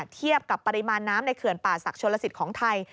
เทียบกับปริมาณน้ำในเขื่อนป่าศักดิชนลสิทธิ์ของไทย